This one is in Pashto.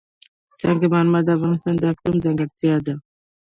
سنگ مرمر د افغانستان د اقلیم ځانګړتیا ده.